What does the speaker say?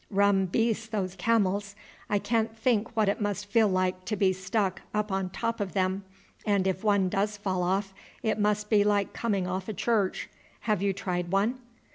Rum beasts those camels. I can't think what it must feel like to be stuck up on top of them, and if one does fall off it must be like coming off a church. Have you tried one?"